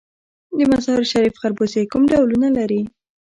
د مزار شریف خربوزې کوم ډولونه لري؟